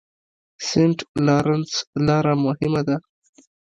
سینټ لارنس لاره مهمه ده.